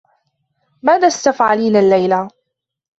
ماذا ستفعلين الليلة ؟